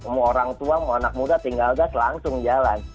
mau orang tua mau anak muda tinggal gas langsung jalan